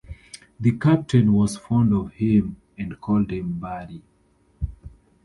The captain was fond of him and called him "Buddy".